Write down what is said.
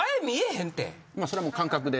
それはもう感覚で。